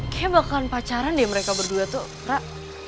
kayaknya bakalan pacaran deh mereka berdua tuh kak